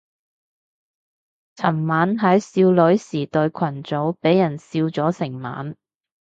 尋晚喺少女時代群組俾人笑咗成晚